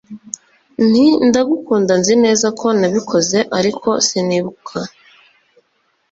nti ndagukunda Nzi neza ko nabikoze ariko sinibuka